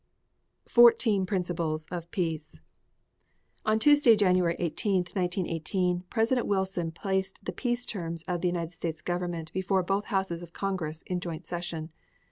FOURTEEN PRINCIPLES OF PEACE On Tuesday, January 8, 1918, President Wilson placed the peace terms of the United States Government before both houses of Congress, in joint session.